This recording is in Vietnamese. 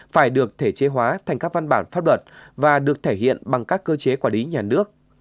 phải được thể chế hóa thành các văn bản pháp luật và được thể hiện bằng các cơ chế quản lý nhà nước